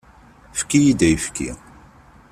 Efk-iyi-d ayefki.